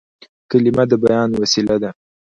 کلیمه د بیان وسیله ده.